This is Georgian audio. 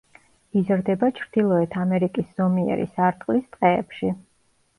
იზრდება ჩრდილოეთ ამერიკის ზომიერი სარტყლის ტყეებში.